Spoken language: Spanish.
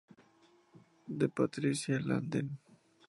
De Patricia Landen.